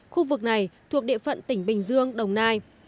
khu vực này thuộc địa phận tỉnh bình dương đồng nai